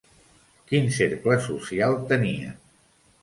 Quin cercle social tenia?